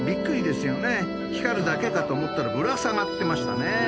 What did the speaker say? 光るだけかと思ったらぶら下がってましたね。